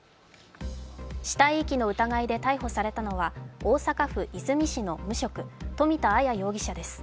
死体遺棄の疑いで逮捕されたのは大阪府和泉市の無職富田あや容疑者です。